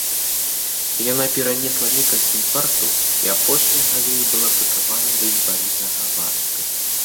Яна перанесла некалькі інфарктаў і апошнія гады была прыкавана да інваліднага вазка.